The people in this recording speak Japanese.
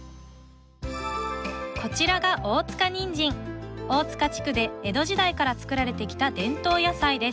こちらが大塚地区で江戸時代から作られてきた伝統野菜です